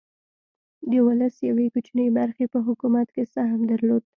د ولس یوې کوچنۍ برخې په حکومت کې سهم درلود.